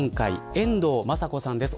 遠藤まさ子さんです。